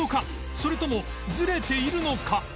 それともズレているのか？